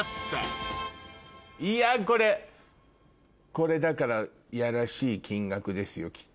これだからやらしい金額ですよきっと。